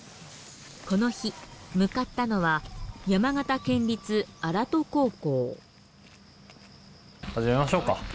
この日向かったのは始めましょうか。